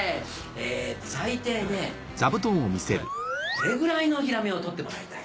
最低ねこれぐらいのヒラメを取ってもらいたい。